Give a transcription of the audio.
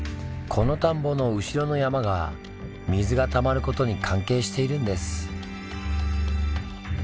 この田んぼの後ろの山が水が溜まることに関係しているんです。